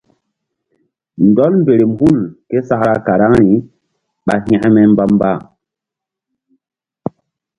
Ndɔl mberem hul ké sakra karaŋri ɓa hȩkme mbamba.